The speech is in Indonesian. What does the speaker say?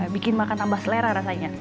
bikin makan tambah selera rasanya